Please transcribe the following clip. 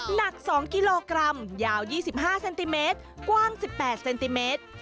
หนัก๒กิโลกรัมยาว๒๕เซนติเมตรกว้าง๑๘เซนติเมตร